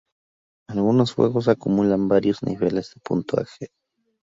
Algunos juegos acumulan varios niveles de puntaje.